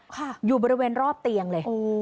ค่ะอยู่บริเวณรอบเตียงเลย